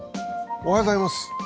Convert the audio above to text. おはようございます。